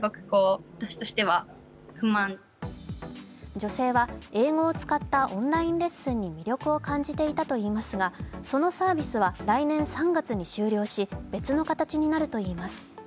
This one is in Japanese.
女性は英語を使ったオンラインレッスンに魅力を感じていたといいますが、そのサービスは来年３月に終了し別の形になるといいます。